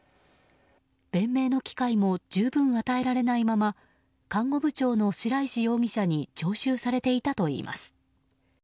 弁明の機会も十分与えられないまま看護部長の白石容疑者に徴収されていたといいます。